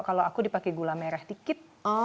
kalau aku dipakai gula merah dikit